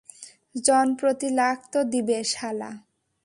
জন প্রতি লাখ তো দিবে, শালা।